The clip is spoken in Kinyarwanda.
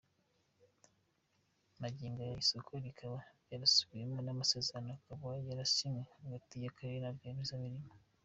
Magingo aya isoko rikaba ryarasubiwemo n’amasezerano akaba yarasinywe hagati y’Akarere na Rwiyemezamirimo.